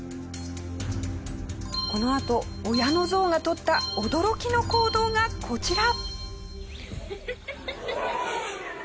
このあと親のゾウがとった驚きの行動がこちら！